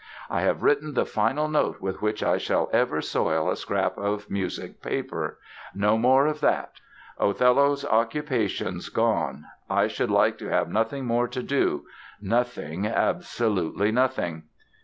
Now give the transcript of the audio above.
"I have written the final note with which I shall ever soil a scrap of music paper. No more of that! Othello's occupation's gone; I should like to have nothing more to do—nothing, absolutely nothing!"